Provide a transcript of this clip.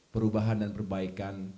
perubahan dan perbaikan